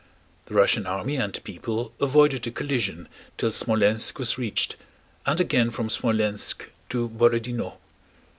The Russian army and people avoided a collision till Smolénsk was reached, and again from Smolénsk to Borodinó.